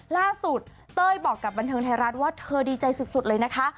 เต้ยบอกกับบันเทิงไทยรัฐว่าเธอดีใจสุดเลยนะคะ